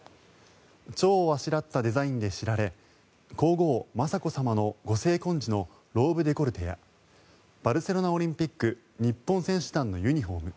チョウをあしらったデザインで知られ皇后・雅子さまのご成婚時のローブ・デコルテやバルセロナオリンピック日本選手団のユニホーム